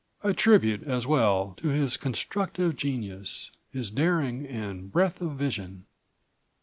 A tribute as well to his constructive genius, his daring and breadth of vision."